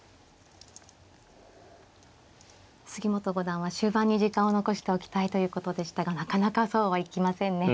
杉本五段は終盤に時間を残しておきたいということでしたがなかなかそうはいきませんね。